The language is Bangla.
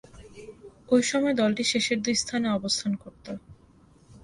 ঐ সময়ে দলটি শেষের দুই স্থানে অবস্থানে করতো।